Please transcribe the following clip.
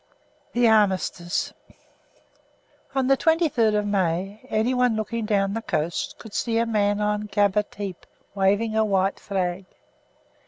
THE ARMISTICE On the 23rd of May anyone looking down the coast could see a man on Gaba Tepe waving a white flag.